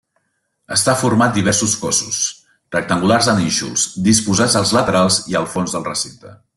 Està format diversos cossos rectangulars de nínxols, disposats als laterals i al fons del recinte.